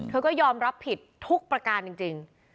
เธอก็ยอมรับผิดทุกประการจริง